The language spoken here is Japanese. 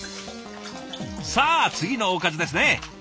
さあ次のおかずですね。